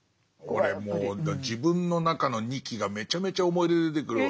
俺もう自分の中の仁木がめちゃめちゃ思い出で出てくるわ。